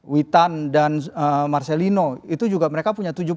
witan dan marcelino itu juga mereka punya